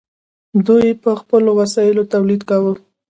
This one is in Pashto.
دوی په خپلو وسایلو تولید کاوه.